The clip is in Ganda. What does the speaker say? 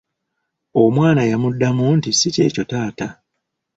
Omwana yamuddamu nti, “Si kyekyo taata”.